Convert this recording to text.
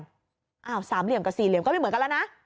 อ้าวสามเหลี่ยมกับสี่เหลี่ยมก็ไม่เหมือนกันแล้วนะ